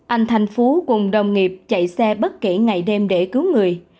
anh thành phú cùng đồng nghiệp chạy xe bất kể ngày đêm để cứu người